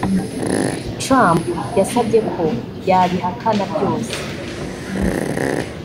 Trump yasabye ko yabihakana byose